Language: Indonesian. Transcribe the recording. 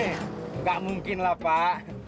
he gak mungkin lah pak